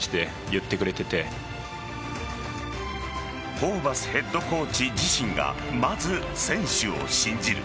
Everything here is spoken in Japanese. ホーバスヘッドコーチ自身がまず選手を信じる。